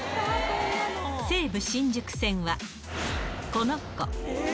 西武新宿線はこの子。